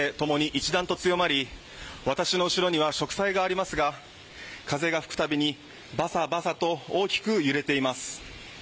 一段と強まり私の後ろには植栽がありますが風が吹く度にバサバサと大きく揺れています。